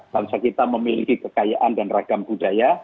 kami memiliki kekayaan dan ragam budaya